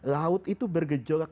laut itu bergejolak